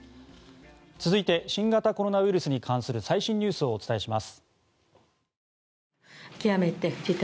続いて新型コロナウイルスに関する最新ニュースをお伝えします。